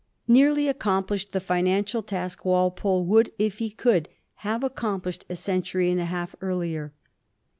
303 now, in 1884, nearly accomplished the financial task Walpole would, if he could, have accomplished a century and a half earlier.